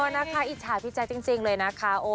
นะคะอิจฉาพี่แจ๊คจริงเลยนะคะ